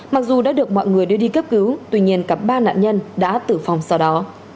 mặc dù đã được mọi người đưa đi cấp cứu tuy nhiên cả ba nạn nhân đã tử vong sau đó